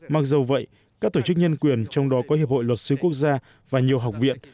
mặc dù vậy các tổ chức nhân quyền trong đó có hiệp hội luật sư quốc gia và nhiều học viện